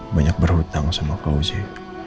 banyak berhutang sama kau sih